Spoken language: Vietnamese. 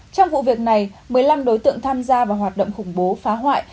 trong vụ việc này một mươi năm đối tượng tham gia vào hoạt động khủng bố phá hoại